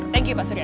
thank you pak surya